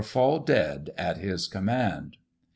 [1838 fall dead at his command.